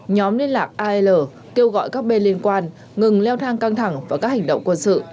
nhóm liên lạc al kêu gọi các bên liên quan ngừng leo thang căng thẳng và các hành động quân sự